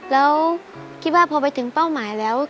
แล้วคิดว่าพอไปถึงเป้าหมายแล้ว